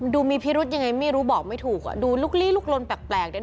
ดูมีพิรุธยังไงไม่รู้บอกไม่ถูกอ่ะดูลุกลี้ลุกลนแปลกเนี่ย